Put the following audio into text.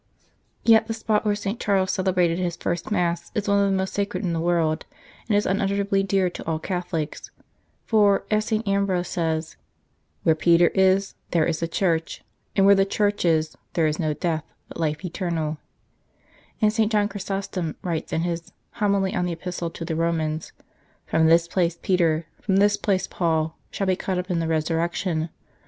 Yet the spot where St. Charles celebrated his first Mass is one of the most sacred in the world, and is unutterably dear to all Catholics, for, as St. Ambrose says :" Where Peter is, there is the Church ; and where the Church is, there is no death, but life eternal ;" and St. John Chrysostom writes in his " Homily on the Epistle to the Romans ":" From this place Peter, from this place Paul, shall be caught up in the resurrection.